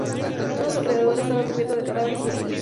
Todo a su alrededor estaba cubierto de cadáveres y heridos.